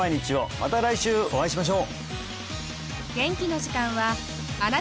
また来週お会いしましょう！